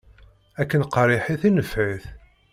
Akken qerriḥit i nefɛit.